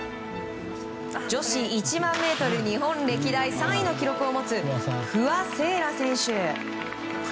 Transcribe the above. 女子１００００ｍ日本歴代３位の記録を持つ不破聖衣来選手。